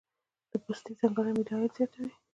د پستې ځنګلونه ملي عاید زیاتوي